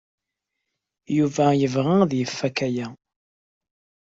Yuba yebɣa ad ifak aya.